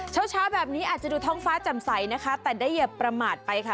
เช้าเช้าแบบนี้อาจจะดูท้องฟ้าจำใสนะคะแต่ได้อย่าประมาทไปค่ะ